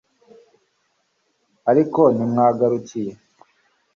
ariko ntimwangarukiye